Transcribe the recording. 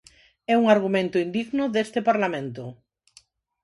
É un argumento indigno deste parlamento.